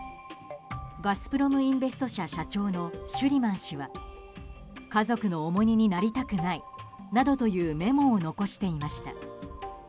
ガスプロム・インベスト社社長のシュリマン氏は家族の重荷になりたくないなどというメモを残していました。